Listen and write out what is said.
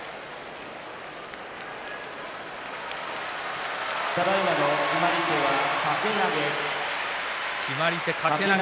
拍手ただいまの決まり手は掛け投げ。